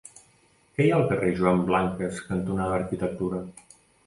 Què hi ha al carrer Joan Blanques cantonada Arquitectura?